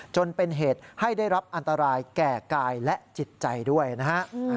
จนเป็นเหตุให้ได้รับอันตรายแก่กายและจิตใจด้วยนะฮะ